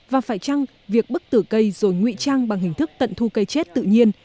và phải chăng việc bức tử cây rồi nguy trang bằng hình thức tận thu cây chết tự nhiên